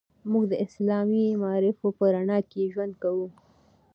موږ د اسلامي معارفو په رڼا کې ژوند کوو.